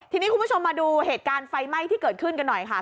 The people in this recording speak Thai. ทีนี้คุณผู้ชมมาดูเหตุการณ์ไฟไหม้ที่เกิดขึ้นกันหน่อยค่ะ